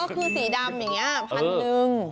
ก็คือสีดำอย่างนี้พันหนึ่ง